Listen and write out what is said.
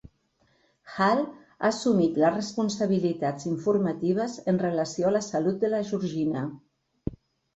Hale ha assumit les responsabilitats informatives en relació a la salut de la Georgina.